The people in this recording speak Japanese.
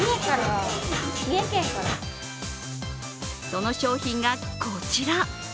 その商品がこちら。